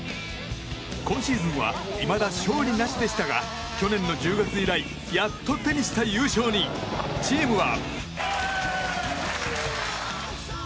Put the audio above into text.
今シーズンはいまだ勝利なしでしたが去年の１０月以来やっと手にした優勝にチームは。